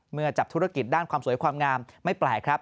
จับธุรกิจด้านความสวยความงามไม่แปลกครับ